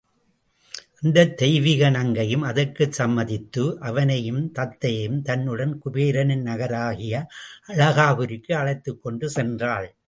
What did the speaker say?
அந்தத் தெய்வீக நங்கையும் அதற்குச் சம்மதித்து அவனையும் தத்தையையும் தன்னுடன் குபேரனின் நகராகிய அளகாபுரிக்கு அழைத்துக்கொண்டு சென்றாள்.